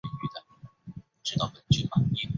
丈地均粮碑的历史年代为明代。